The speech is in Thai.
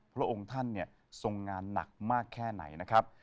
พระองค์ท่านเนี่ยทรงงานหนักมากแค่ไหนนะครับ